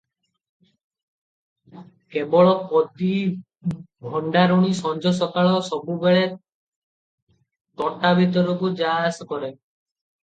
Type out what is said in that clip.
କେବଳ ପଦୀ ଭଣ୍ଡାରୁଣୀ ସଞ୍ଜ ସକାଳ ସବୁବେଳେ ତୋଟା ଭିତରକୁ ଯା ଆସ କରେ ।